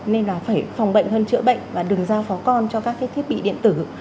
nên là phải phòng bệnh hơn chữa bệnh và đừng giao phó con cho các thiết bị điện tử